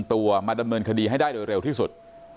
ตัวมาดำเนินคดีให้ได้โดยเร็วที่สุด